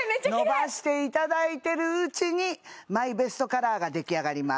伸ばしていただいてるうちにマイベストカラーが出来上がります